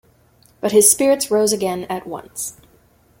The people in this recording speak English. But his spirits rose again at once.